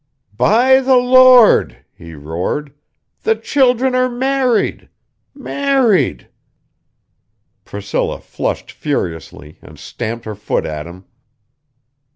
"By the Lord," he roared. "The children are married. Married...." Priscilla flushed furiously, and stamped her foot at him.